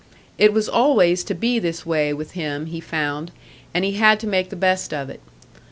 It was always to be this way with him, he found, and he had to make the best of it.